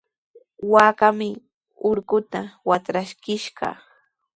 Waakaami urquta watraskishqa.